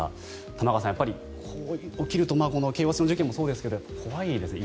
玉川さん、起きるとこの京王線の事件もそうですが怖いですね。